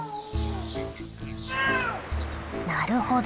なるほど。